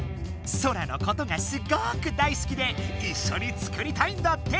ソラのことがすごく大好きでいっしょにつくりたいんだって。